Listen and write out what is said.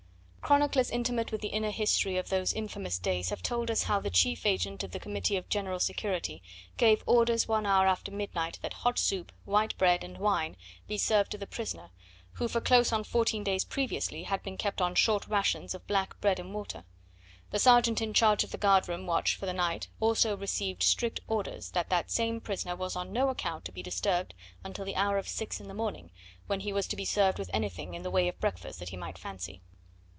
Chroniclers intimate with the inner history of those infamous days have told us how the chief agent of the Committee of General Security gave orders one hour after midnight that hot soup, white bread and wine be served to the prisoner, who for close on fourteen days previously had been kept on short rations of black bread and water; the sergeant in charge of the guard room watch for the night also received strict orders that that same prisoner was on no account to be disturbed until the hour of six in the morning, when he was to be served with anything in the way of breakfast that he might fancy.